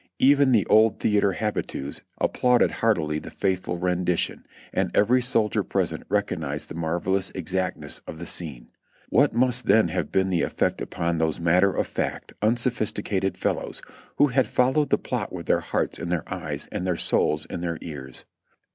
Even the old theatre habitues applauded heartily the faithful rendition, and every soldier present recog nized the marvelous exactness of the scene. What must then have been the effect upon those matter of fact, unsophisticated fellows, who had followed the plot with their hearts in their eyes and their souls in their ears.